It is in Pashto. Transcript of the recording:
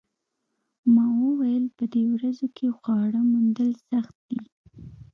ما وویل په دې ورځو کې خواړه موندل سخت دي